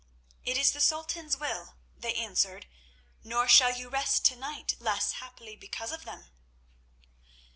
"It is the Sultan's will," they answered; "nor shall you rest to night less happily because of them."